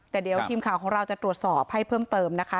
แต่เดี๋ยวทีมข่าวของเราจะตรวจสอบให้เพิ่มเติมนะคะ